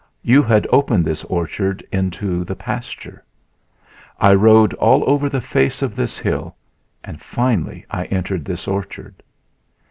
You had opened this orchard into the pasture. I rode all over the face of this hill and finally I entered this orchard.